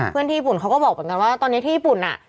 ที่ญี่ปุ่นเขาก็บอกเหมือนกันว่าตอนนี้ที่ญี่ปุ่นอ่ะ